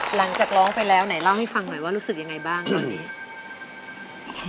หลังจากร้องไปแล้วไหนเล่าให้ฟังหน่อยว่ารู้สึกยังไงบ้างตอนนี้